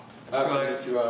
こんにちは。